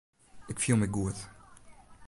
Ik fiel my goed.